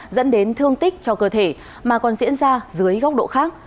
dẫn đến thương tích cho cơ thể mà còn diễn ra dưới góc độ khác